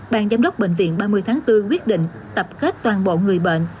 bàn giám đốc bệnh viện ba mươi tháng bốn quyết định tập kết toàn bộ người bệnh